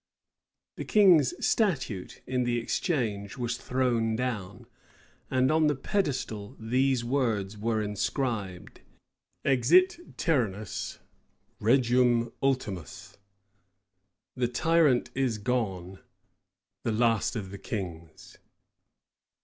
The king's statue, in the exchange, was thrown down; and on the pedestal these words were inscribed: "Exit tyrannus, regum ultimus;" The tyrant is gone, the last of the kings.